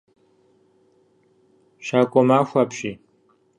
Щакӏуэмахуэ апщий.